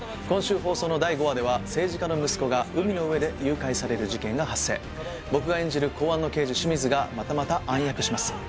今週放送の第５話では政治家の息子が海の上で誘拐される事件が発生僕が演じる公安の刑事清水がまたまた暗躍します